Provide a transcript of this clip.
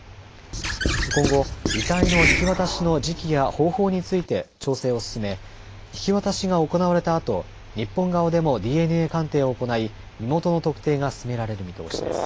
今後、遺体の引き渡しの時期や方法について調整を進め引き渡しが行われたあと日本側でもＤＮＡ鑑定を行い身元の特定が進められる見通しです。